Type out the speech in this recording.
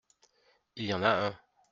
Il y en a un !…